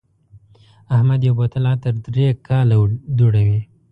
احمد یو بوتل عطر درې کاله دوړوي.